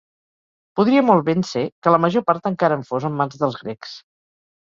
Podria molt ben ser que la major part encara en fos en mans dels grecs.